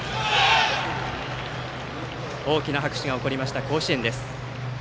大きな拍手が起こりました甲子園です。